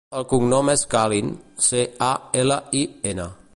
El cognom és Calin: ce, a, ela, i, ena.